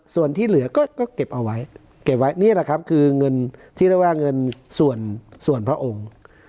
ส่วนที่เหลือก็เก็บเอาไว้เก็บไว้นี่แหละครับคือเงินที่เรียกว่าเงินส่วนพระองค์